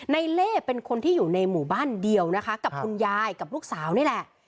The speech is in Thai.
เล่เป็นคนที่อยู่ในหมู่บ้านเดียวนะคะกับคุณยายกับลูกสาวนี่แหละ